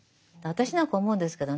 私なんか思うんですけどね